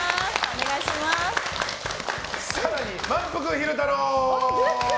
更にまんぷく昼太郎。